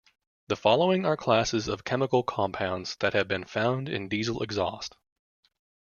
The following are classes of chemical compounds that have been found in diesel exhaust.